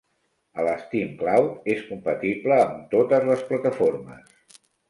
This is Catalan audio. El Steam Cloud és compatible amb totes les plataformes.